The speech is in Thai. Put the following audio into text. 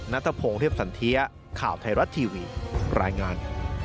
นัทพงศ์เรียบสันเทียข่าวไทยรัฐทีวีรายงาน